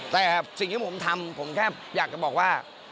แต่สิ่งที่ผมทำผมแค่อยากจะบอกว่า